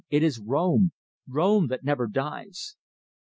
It is Rome! Rome that never dies!"